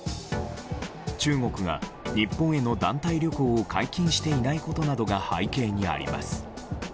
中国が日本への団体旅行を解禁していないことなどが背景にあります。